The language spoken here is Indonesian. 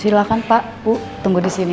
silahkan pak bu tunggu disini